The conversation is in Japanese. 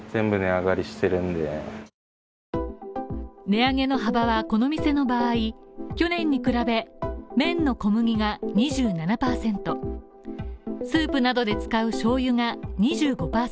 値上げの幅はこの店の場合、去年に比べ麺の小麦が２７％スープなどで使う醤油が２５％